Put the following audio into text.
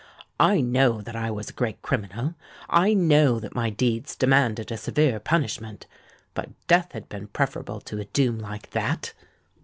I know that I was a great criminal—I know that my deeds demanded a severe punishment; but death had been preferable to a doom like that!